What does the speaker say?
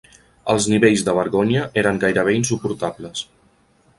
Els nivells de vergonya eren gairebé insuportables.